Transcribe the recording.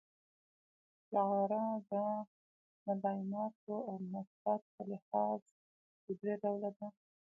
استعاره د ملایماتو او مناسباتو په لحاظ پر درې ډوله ده.